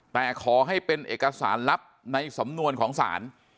แต่ขอให้เป็นเอกสารลับในสำนวนของศาล